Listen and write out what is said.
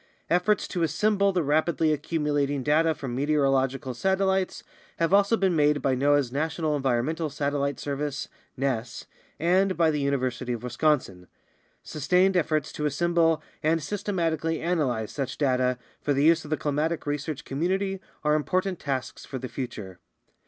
Efforts to assemble the rapidly accumulating data from meteorological satellites have also been made by noaa's National Environmental Satel lite Service (ness) and by the University of Wisconsin. Sustained efforts to assemble and systematically analyze such data for the use of the climatic research community are important tasks for the future.